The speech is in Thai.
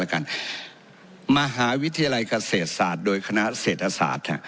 แล้วกันมหาวิทยาลัยเกษตรศาสตร์โดยคณะเศรษฐศาสตร์